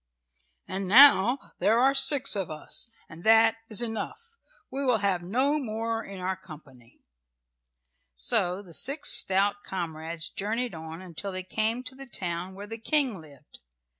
And now there are six of us, and that is enough. We will have no more in our company." So the six stout comrades journeyed on until they came to the town where the King lived.